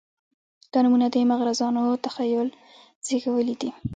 دا نومونه د مغرضانو تخیل زېږولي دي.